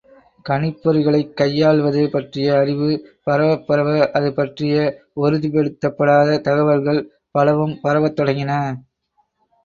கணிப்பொறிகளைக் கையாள்வது பற்றிய அறிவு பரவப் பரவ, அது பற்றிய உறுதிப்படுத்தப்படாத தகவல்கள் பலவும் பரவத் தொடங்கின.